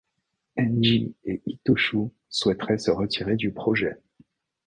Engie et Itochu souhaiteraient se retirer du projet.